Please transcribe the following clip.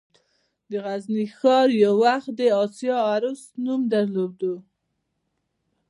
د غزني ښار یو وخت د «د اسیا عروس» نوم درلود